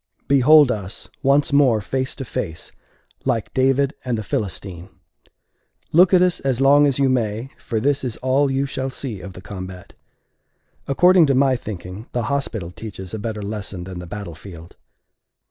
Behold us once more face to face, like David and the Philistine. Look at us as long as you may; for this is all you shall see of the combat. According to my thinking, the hospital teaches a better lesson than the battle field.